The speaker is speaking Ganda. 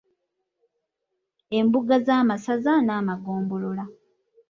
Embuga z'amasaza n'amagombolola.